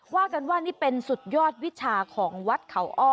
ว่ากันว่านี่เป็นสุดยอดวิชาของวัดเขาอ้อ